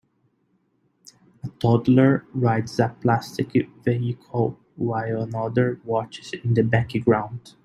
A toddler rides a plastic vehicle while another watches in the background.